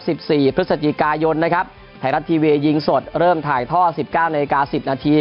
สิบสี่พฤศจิกายนนะครับไทยรัฐทีวียิงสดเริ่มถ่ายท่อสิบเก้านาฬิกาสิบนาที